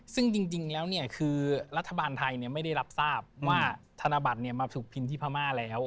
ซึ่งจริงแล้วเนี่ยคือรัฐบาลไทยเนี่ยไม่ได้รับทราบว่าธนบัตรเนี่ยมาถูกพินที่พม่าแล้ว